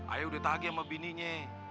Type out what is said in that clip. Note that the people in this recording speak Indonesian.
ayah udah tagi sama bininya